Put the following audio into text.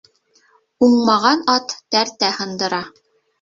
Уңмаған ат тәртә һындыра